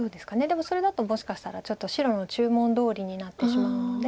でもそれだともしかしたらちょっと白の注文どおりになってしまうので。